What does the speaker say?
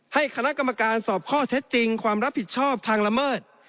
ให้คณะกรรมการสอบข้อเท็จจริงความรับผิดชอบทางละเมิด